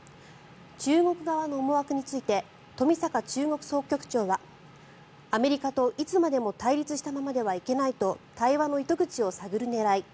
中国側の思惑について冨坂中国総局長はアメリカといつまでも対立したままではいけないと対話の糸口を探る狙い。